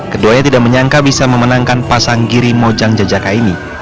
keduanya tidak menyangka bisa memenangkan pasang giri mojang jajaka ini